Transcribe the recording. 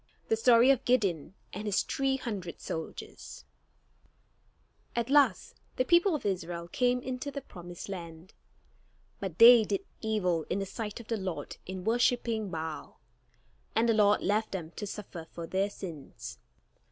THE STORY OF GIDEON AND HIS THREE HUNDRED SOLDIERS At last the people of Israel came into the promised land, but they did evil in the sight of the Lord in worshipping Baal; and the Lord left them to suffer for their sins.